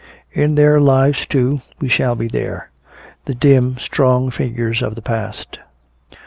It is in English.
"In their lives, too, we shall be there the dim strong figures of the past."